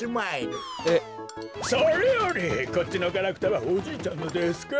それよりこっちのガラクタはおじいちゃんのですか？